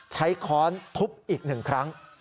ใช้ค้อนทุบอีกหนึ่งครั้ง